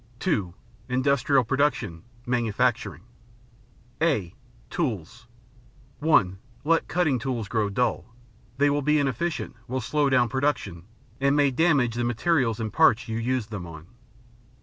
(2) Industrial Production: Manufacturing (a) Tools (1) Let cutting tools grow dull. They will be inefficient, will slow down production, and may damage the materials and parts you use them on.